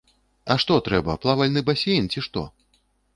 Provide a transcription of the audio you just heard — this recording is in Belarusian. А што трэба, плавальны басейн, ці што?